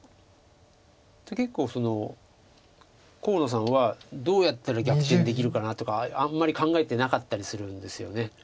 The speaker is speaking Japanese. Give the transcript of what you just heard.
結構河野さんはどうやったら逆転できるかなとかあんまり考えてなかったりするんですよね。